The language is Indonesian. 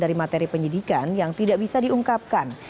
dari materi penyidikan yang tidak bisa diungkapkan